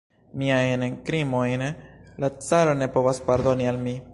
Miajn krimojn la caro ne povas pardoni al mi.